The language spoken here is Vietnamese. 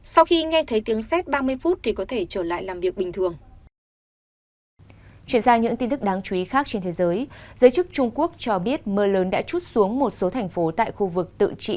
sau khi nghe thấy tiếng xét ba mươi phút thì có thể trở lại